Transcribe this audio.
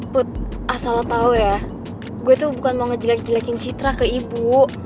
put asal tau ya gue tuh bukan mau ngejelek jelekin citra ke ibu